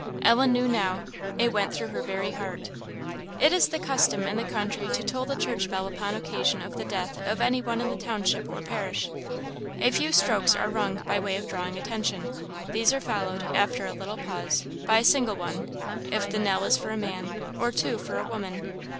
Ellen knew now! It went through her very heart. It is the custom in the country to toll the church bell upon occasion of the death of any one in the township or parish. A few strokes are rung by way of drawing attention; these are followed, after a little pause, by a single one, if the knell is for man, or two for a woman.